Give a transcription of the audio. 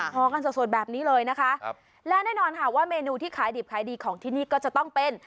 พอกันสดแบบนี้เลยนะคะและแน่นอนค่ะว่าเมนูที่ขายดิบขายดีของที่นี่ก็จะต้องเป็น